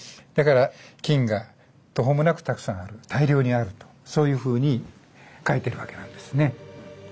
だから金が途方もなくたくさんある大量にあるとそういうふうに書いてるわけなんですね。